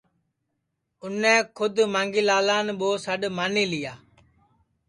اُنے کھود مانگھی لالان ٻو سڈؔ مانی لیا